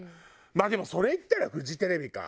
まあでもそれ言ったらフジテレビか。